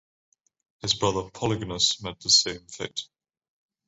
His brother Polygonus met the same fate.